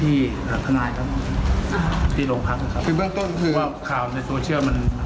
ที่ขนาดครับอ่าที่โรงพักษณ์นะครับคือเรื่องต้นคือว่าข่าวในตัวเชื่อมันแรงไป